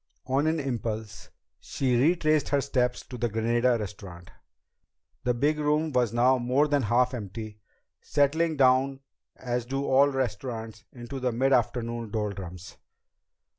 On an impulse, she retraced her steps to the Granada Restaurant. The big room was now more than half empty, settling down as do all restaurants into the mid afternoon doldrums.